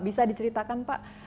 bisa diceritakan pak